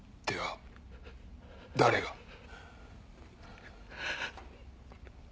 では誰が？